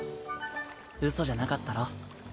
うそじゃなかったろ？